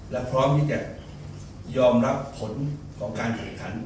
และพร้อมที่จะยอมรับผลของการแข่งขัน